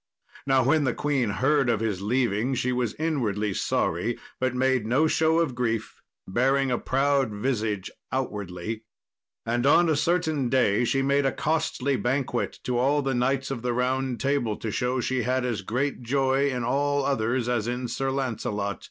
Now when the queen heard of his leaving she was inwardly sorry, but made no show of grief, bearing a proud visage outwardly. And on a certain day she made a costly banquet to all the knights of the Round Table, to show she had as great joy in all others as in Sir Lancelot.